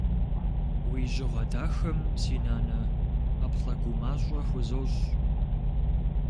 Уи жьыгъэ дахэм, си нанэ, ӏэплӏэ гумащӏэ хузощӏ.